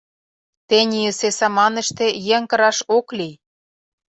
Тенийысе саманыште еҥ кыраш ок лий.